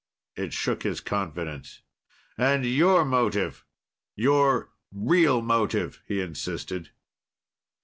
It shook his confidence. "And your motive your real motive?" he insisted.